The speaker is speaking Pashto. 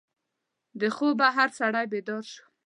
د خوبه هر سړی بیدار شو.